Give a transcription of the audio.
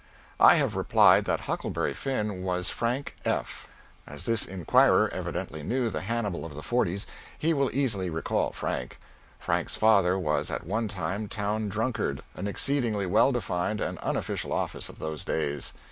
I have replied that "Huckleberry Finn" was Frank F. As this inquirer evidently knew the Hannibal of the forties, he will easily recall Frank. Frank's father was at one time Town Drunkard, an exceedingly well defined and unofficial office of those days.